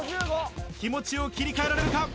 気持ちを切り替えられるか。